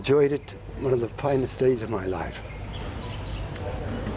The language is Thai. คิดว่าเกิดอะไรขึ้น